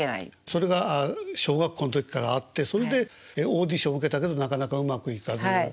それが小学校の時からあってそれでオーディション受けたけどなかなかうまくいかず。